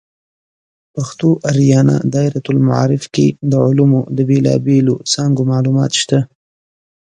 پښتو آریانا دایرة المعارف کې د علومو د بیلابیلو څانګو معلومات شته.